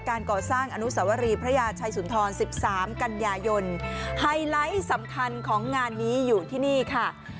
การก่อสร้างอนุสวรีพระยาชัยสุนทร๑๓กันยายนไฮไลท์สำคัญของงานนี้อยู่ที่นี่ค่ะ